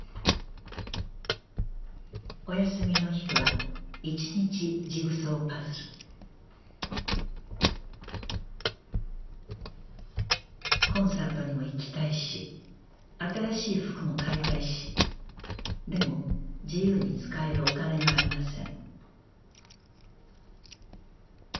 お休みの日は１日ジグソーパズルコンサートにも行きたいし新しい服も買いたいしでも自由に使えるお金がありません